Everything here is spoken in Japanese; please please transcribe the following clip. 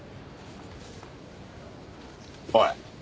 おい。